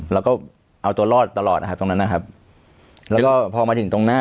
แล้วก็เอาตัวรอดตลอดนะครับตรงนั้นนะครับแล้วก็พอมาถึงตรงหน้า